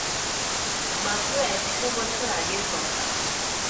মাত্র একশো বছর আগের কথা।